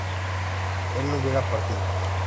¿él no hubiera partido?